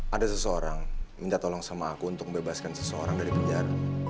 ada seseorang minta tolong sama aku untuk membebaskan seseorang dari penjara